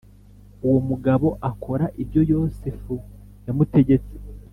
Uwo mugabo akora ibyo Yosefu yamutegetse